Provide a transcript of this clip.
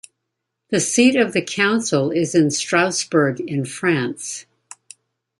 The seat of the Council is in Strasbourg in France.